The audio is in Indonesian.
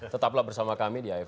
tetaplah bersama kami di afd now